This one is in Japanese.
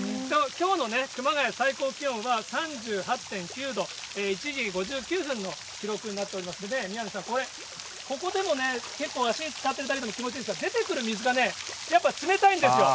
きょうのね、熊谷、最高気温は３８．９度、１時５９分の記録になっていますので、宮根さん、これ、ここでもね、結構足つかってるだけでも気持ちいいですが、出てくる水がね、やっぱ冷たいんですよ。